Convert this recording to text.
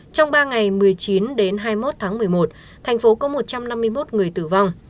trong ba ngày một mươi chín đến hai mươi một tháng một mươi một thành phố có một trăm năm mươi một người tử vong